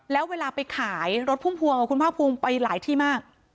แล้วเวลาไปขายรถพุ่มพวงคุณภาคภูมิไปหลายที่มาก